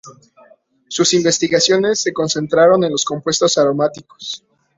Sus investigaciones se concentraron en los compuestos aromáticos.